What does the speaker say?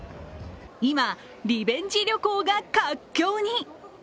今、リベンジ旅行が活況に。